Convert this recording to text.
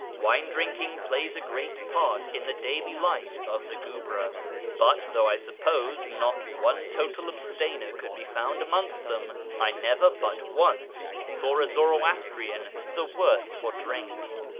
Wine drinking plays a great part in the daily life of the guebre ; but, though I suppose not one total abstainer could be found amongst them, I never but once saw a Zoroastrian the worse for drink.